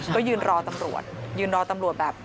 ก็ยืนรอตำรวจยืนรอตำรวจแบบ